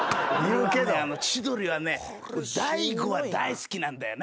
千鳥はね大悟は大好きなんだよね。